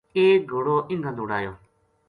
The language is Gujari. ایک گھوڑو اِنگاں دوڑایو